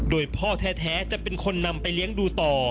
โดยพ่อแท้จะเป็นคนนำไปเลี้ยงดูต่อ